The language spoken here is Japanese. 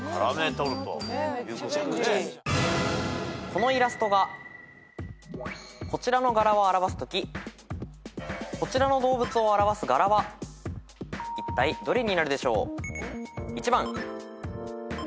このイラストがこちらの柄を表すときこちらの動物を表す柄はいったいどれになるでしょう？